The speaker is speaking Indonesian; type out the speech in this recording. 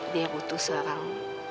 dia butuh seorang